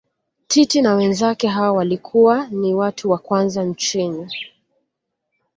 Titi na wenzake hao walikuwa ni watu wa kwanza nchini